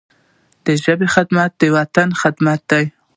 د ژبي خدمت، د وطن خدمت دی.